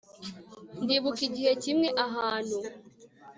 Ndibuka igihe kimwe ahantu